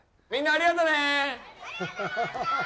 ありがとね。